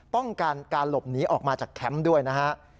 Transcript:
ป้องกันการหลบหนีออกมาจากแคมป์ด้วยนะฮะ